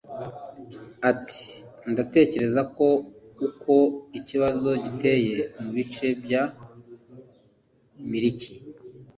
Ati ‘‘Ndatekereza ko uko ikibazo giteye mu bice bya Miriki